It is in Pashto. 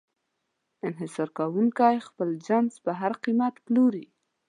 انحصار کوونکی خپل جنس په هر قیمت پلوري.